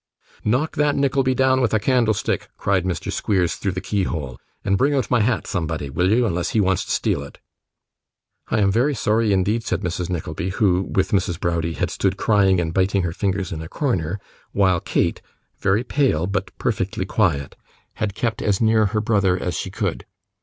'Knock that Nickleby down with a candlestick,' cried Mr. Squeers, through the keyhole, 'and bring out my hat, somebody, will you, unless he wants to steal it.' 'I am very sorry, indeed,' said Mrs. Nickleby, who, with Mrs. Browdie, had stood crying and biting her fingers in a corner, while Kate (very pale, but perfectly quiet) had kept as near her brother as she could.